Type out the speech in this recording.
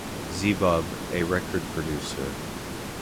Zebubb, a record producer.